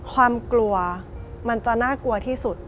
ความกลัวมันจะน่ากลัวที่สุด